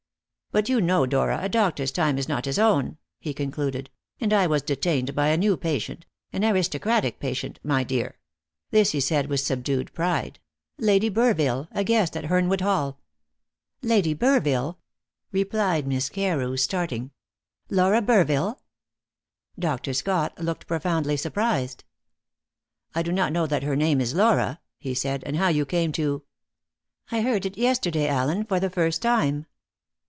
"But you know, Dora, a doctor's time is not his own," he concluded; "and I was detained by a new patient an aristocratic patient, my dear" this he said with subdued pride "Lady Burville, a guest at Hernwood Hall." "Lady Burville!" replied Miss Carew, starting. "Laura Burville?" Dr. Scott looked profoundly surprised. "I do not know that her name is Laura," he said; "and how you came to " "I heard it yesterday, Allen, for the first time."